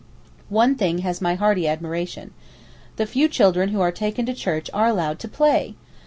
One thing has my hearty admiration. The few children who are taken to Church are allowed to play!